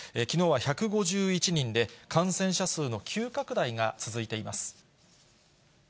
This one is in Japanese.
きのうは１５１人で、感染者数の急拡大が続いています。